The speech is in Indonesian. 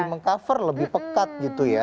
mengcover lebih pekat gitu ya